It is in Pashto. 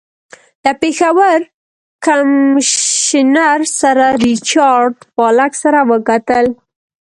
له پېښور کمیشنر سر ریچارډ پالک سره وکتل.